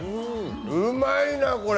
うまいな、これ。